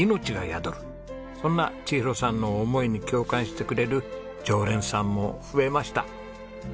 そんな千尋さんの思いに共感してくれる常連さんも増えました。